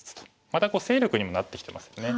また勢力にもなってきてますね。